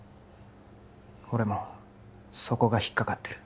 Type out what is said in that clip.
俺もそこが引っかかってる